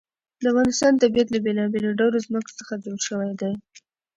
د افغانستان طبیعت له بېلابېلو ډولو ځمکه څخه جوړ شوی دی.